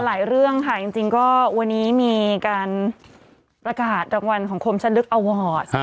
เรื่องค่ะจริงก็วันนี้มีการประกาศรางวัลของคมชัดลึกอวอร์ด